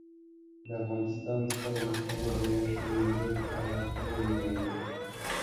د افغانستان سترې محکمې د میاشتې لیدو په اړه څه نه دي ویلي